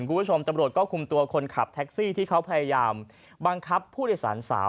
คุณผู้ชมตำรวจก็คุมตัวคนขับแท็กซี่ที่เขาพยายามบังคับผู้โดยสารสาว